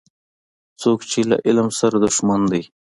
څوک چي له علم سره دښمن دی